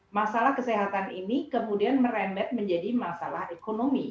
masalah kesehatan ini kemudian merembet menjadi masalah ekonomi